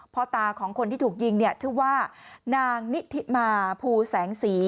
พ่อตาของคนที่ถูกยิงเนี่ยชื่อว่านางนิทิมาภูแสงสี